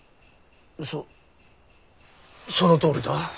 そそのとおりだ。